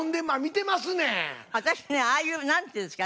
私ねああいうなんて言うんですか？